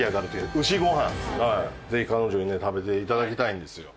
ぜひ彼女にね食べて頂きたいんですよ。